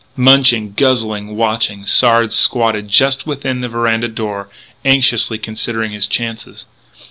Munching, guzzling, watching, Sard squatted just within the veranda doorway, anxiously considering his chances.